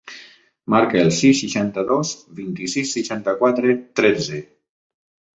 Marca el sis, seixanta-dos, vint-i-sis, seixanta-quatre, tretze.